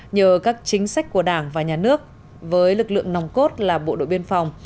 nhờ các chính sách của đảng và nhà nước với lực lượng nòng cốt là bộ đội biên phòng